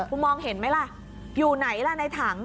คุณมองเห็นไหมล่ะอยู่ไหนล่ะในถัง